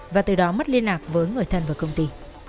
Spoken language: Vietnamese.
và từ đó mất liên lạc với người thân và công ty